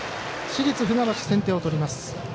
市立船橋、先手を取ります。